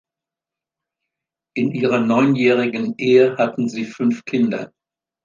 In ihrer neunjährigen Ehe hatten sie fünf Kinder.